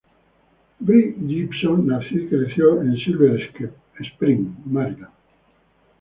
Britt-Gibson nació y creció en Silver Spring, Maryland.